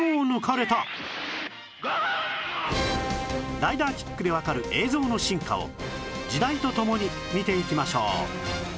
ライダーキックでわかる映像の進化を時代とともに見ていきましょう